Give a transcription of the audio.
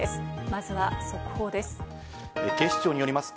まずは速報です。